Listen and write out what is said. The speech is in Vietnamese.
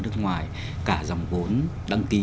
nước ngoài cả dòng vốn đăng ký